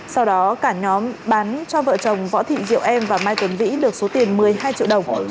sau đó cả nhóm bán cho vợ chồng võ thị diệu em và mai tuấn vĩ được số tiền một mươi hai triệu đồng